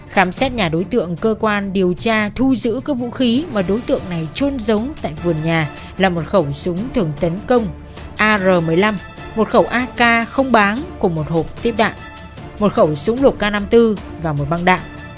khám xét nhà đối tượng cơ quan điều tra thu giữ các vũ khí mà đối tượng này trôn giống tại vườn nhà là một khẩu súng thường tấn công ar một mươi năm một khẩu ak không báng cùng một hộp tiếp đạn một khẩu súng lục k năm mươi bốn và một băng đạn